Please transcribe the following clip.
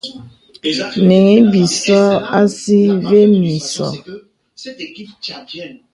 Nīŋhi bīsò àsí və̀ mì ìsō.